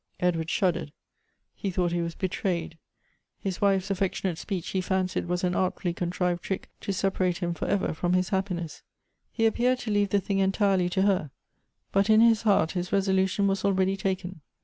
Edward shuddered — he thought he was betrayed. His wife's affectionate speech he fancied was an artfully contrived trick to separate him for ever from his happi ness. He appeared to leave the thing entirely to her ; but in his heart his resolution was already taken.